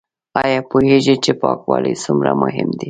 ایا پوهیږئ چې پاکوالی څومره مهم دی؟